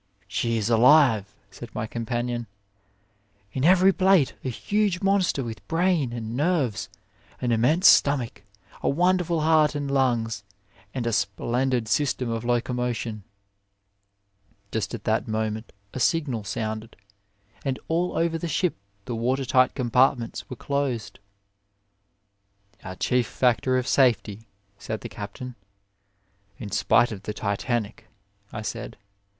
"She is alive," said my companion, "in every plate; a huge monster with brain and nerves, an 21 A WAY immense stomach, a wonderful heart and lungs, and a splendid system of locomotion." Just at that moment a signal sounded, and all over the ship the water tight compartments were closed. "Our chief factor of safety," said the Captain. "In spite of the Titanic," I said.